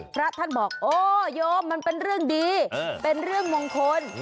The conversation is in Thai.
พระท่านบอกโอ้โยมมันเป็นเรื่องดีเป็นเรื่องมงคล